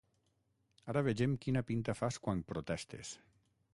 Ara vegem quina pinta fas quan protestes.